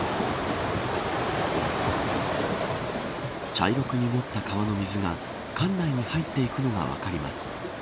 茶色く濁った川の水が館内に入っていくのが分かります